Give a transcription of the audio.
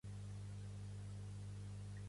Pertany al moviment independentista el Romà?